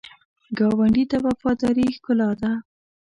ګاونډي ته وفاداري ښکلا ده